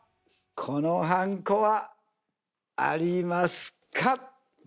このはんこはありますか？